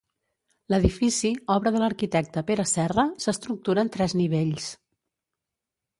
L'edifici, obra de l'arquitecte Pere Serra, s'estructura en tres nivells.